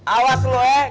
awas lu eh